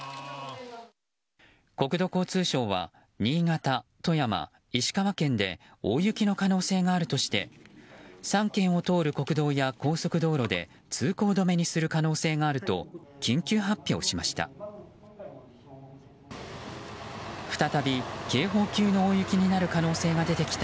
国土交通省は新潟、富山、石川県で大雪の可能性があるとして３県を通る国道や高速道路で通行止めにする可能性があると緊急発表しました。